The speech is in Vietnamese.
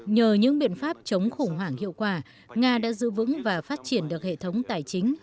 nhờ những biện pháp chống khủng hoảng hiệu quả nga đã giữ vững và phát triển được hệ thống tài chính